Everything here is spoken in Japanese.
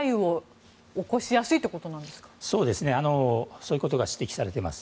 そういうことが指摘されてます。